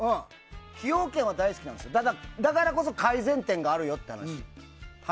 崎陽軒は大好きなんですよだけど、だからこそ改善点があるよって話。